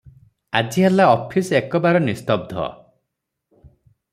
ଆଜି ହେଲା ଅଫିସ ଏକବାର ନିସ୍ତବ୍ଧ ।